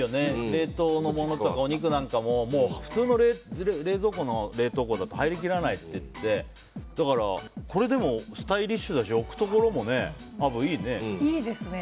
冷凍のものとか、お肉なんかも普通の冷蔵庫の冷凍庫だと入りきらないって言ってでも、これスタイリッシュだしいいですね。